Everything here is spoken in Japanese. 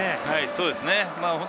そうですね。